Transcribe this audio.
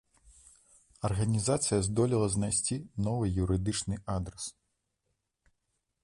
Арганізацыя здолела знайсці новы юрыдычны адрас.